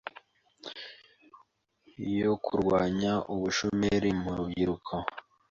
yo kurwanya ubushomeri mu rubyiruko